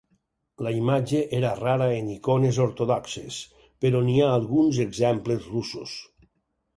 La imatge era rara en icones ortodoxes, però n'hi ha alguns exemples russos.